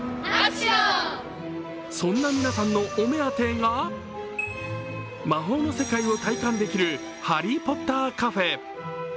そんな皆さんのお目当てが魔法の世界を体感できるハリー・ポッターカフェ。